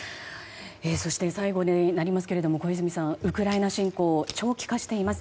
最後になりますけれども小泉さんウクライナ侵攻長期化しています。